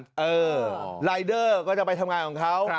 เออรายเดอร์ก็จะไปทำงานของเขา